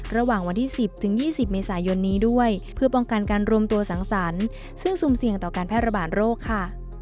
ระหว่างวันที่๑๐ถึง๒๐เมษายนนี้ด้วยเพื่อป้องกันการรวมตัวสังสรรค์ซึ่งซุ่มเสี่ยงต่อการแพร่ระบาดโรคค่ะ